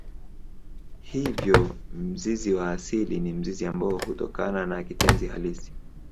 Hivyo mzizi wa asili ni mzizi ambao hutokana na kitenzi halisi.